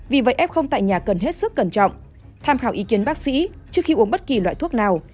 vì vậy f tại nhà cần hết sức cẩn trọng tham khảo ý kiến bác sĩ trước khi uống bất kỳ loại thuốc nào